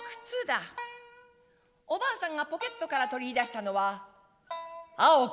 おばあさんがポケットから取り出したのは青く